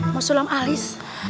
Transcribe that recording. mau sulam alis